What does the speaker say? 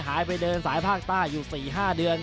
หายไปเดินสายภาคใต้อยู่๔๕เดือน